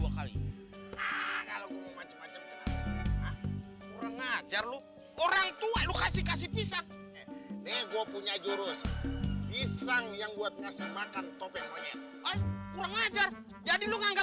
hai jangan macem macem lo haji muhyiddin yang pergi haji haji dua kali